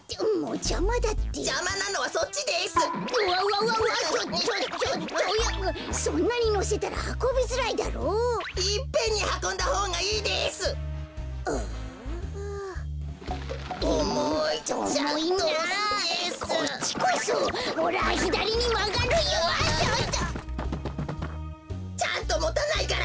ちゃんともたないから！